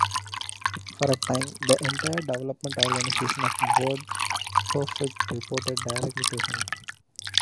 For a time, the entire development organization of WordPerfect reported directly to him.